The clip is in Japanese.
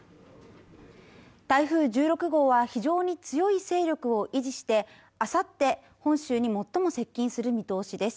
台風１６号は非常に強い勢力を維持してあさって本州に最も接近する見通しです